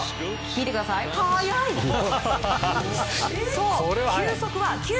見てください、速い！